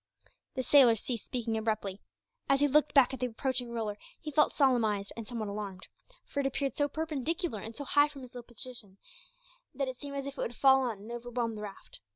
The sailor ceased speaking abruptly. As he looked back at the approaching roller he felt solemnised and somewhat alarmed, for it appeared so perpendicular and so high from his low position, that it seemed as if it would fall on and overwhelm the raft.